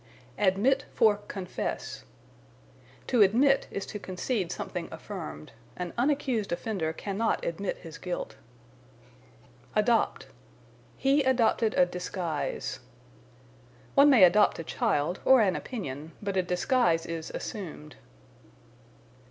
Admit for Confess. To admit is to concede something affirmed. An unaccused offender cannot admit his guilt. Adopt. "He adopted a disguise." One may adopt a child, or an opinion, but a disguise is assumed.